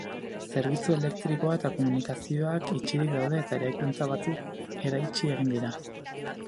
Zerbitzu elektrikoa eta komunikazioak itxirik daude eta eraikuntza batzuk eraitsi egin dira.